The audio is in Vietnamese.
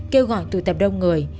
kêu gọi tù tập đông người